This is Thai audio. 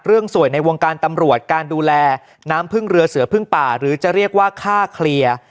สวยในวงการตำรวจการดูแลน้ำพึ่งเรือเสือพึ่งป่าหรือจะเรียกว่าค่าเคลียร์